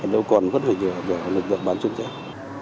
đâu còn vất vảnh về lực lượng bán chuyên trách